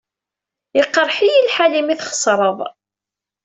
Iqeṛṛeḥ-iyi lḥal imi txeṣṛeḍ.